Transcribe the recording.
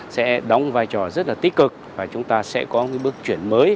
sẽ đóng vai trò rất là tích cực và chúng ta sẽ có cái bước chuyển mới